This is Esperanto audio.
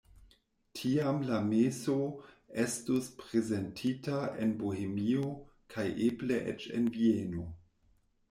Tiam la meso estus prezentita en Bohemio kaj eble eĉ en Vieno.